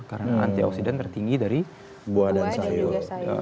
karena antioksidan tertinggi dari buah dan sayur